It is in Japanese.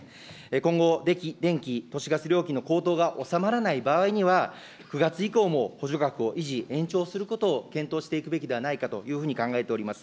今後、電気・都市ガス料金の高騰が収まらない場合には、９月以降も補助額を維持、延長することを検討していくべきではないかというふうに考えております。